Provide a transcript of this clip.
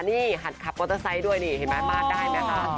นี่หัดขับมอเตอร์ไซค์ด้วยนี่เห็นไหมมาดได้ไหมคะ